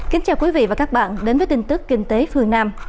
kính chào quý vị và các bạn đến với tin tức kinh tế phương nam